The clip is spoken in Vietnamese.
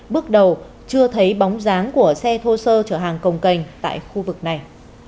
bước đầu chưa thấy bóng dáng của xe thô sơ chở hàng cồng cành tại khu vực này